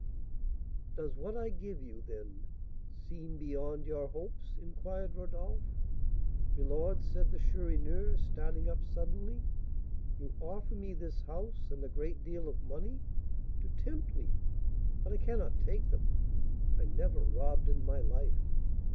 "Does what I give you, then, seem beyond your hopes?" inquired Rodolph. "My lord," said the Chourineur, starting up suddenly, "you offer me this house and a great deal of money, to tempt me; but I cannot take them; I never robbed in my life.